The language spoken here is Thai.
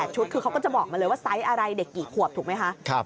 ชุดคือเขาก็จะบอกมาเลยว่าไซส์อะไรเด็กกี่ขวบถูกไหมคะ